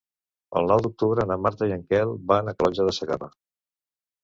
El nou d'octubre na Marta i en Quel van a Calonge de Segarra.